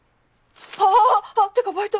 あぁってかバイト！